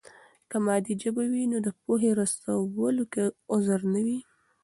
که مادي ژبه وي نو د پوهې رسولو کې غدر نه وي.